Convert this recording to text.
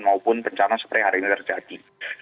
maupun bencana seperti hari ini terjadi